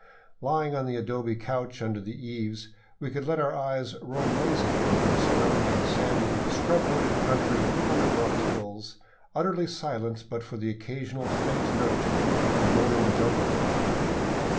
Lying on the adobe couch under the eaves, we could let our eyes roam lazily over the surrounding sandy, scrub wooded country of unabrupt hills, utterly silent but for the occasional faint note of the mourning jungle dove.